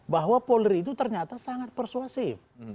bahwa polri itu ternyata sangat persuasif